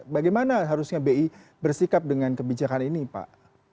bagaimana harusnya bi bersikap dengan kebijakan ini pak